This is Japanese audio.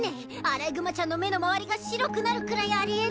アライグマちゃんの目の周りが白くなるくらいあり得